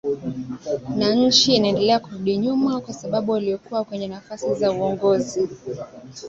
na nchi inaendelea kurudi nyuma kwa sababu walioko kwenye nafasi za uongozi